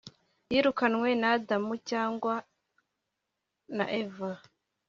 Yirukanwe na Adamu yangwa na Eva